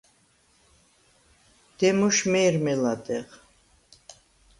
დემოშ მე̄რმე ლადეღ.